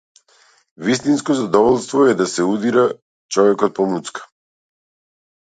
Вистинско задоволство е да се удира човек по муцка!